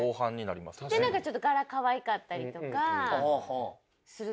でなんかちょっと柄かわいかったりとかするといいかも。